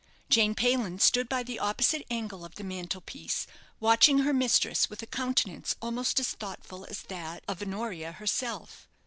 Jane Payland stood by the opposite angle of the mantel piece, watching her mistress with a countenance almost as thoughtful as that of Honoria herself.